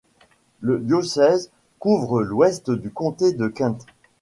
Le diocèse couvre l'ouest du comté de Kent.